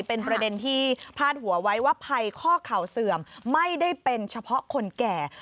เป็นประเด็นที่พาดหัวไว้ว่าภัยข้อเข่าเสื่อมไม่ได้เป็นเฉพาะคนแก่